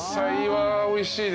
はい。